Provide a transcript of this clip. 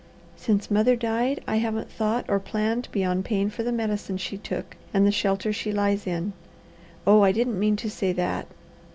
Since mother died, I haven't thought or planned beyond paying for the medicine she took and the shelter she lies in. Oh I didn't mean to say that